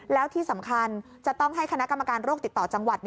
แล้วที่สำคัญจะต้องให้คณะกรรมการโรคติดต่อจังหวัด